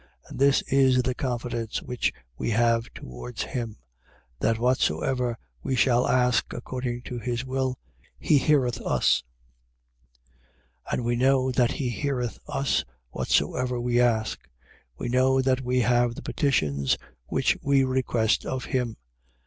And this is the confidence which we have towards him: That, whatsoever we shall ask according to his will, he heareth us. 5:15. And we know that he heareth us whatsoever we ask: we know that we have the petitions which we request of him. 5:16.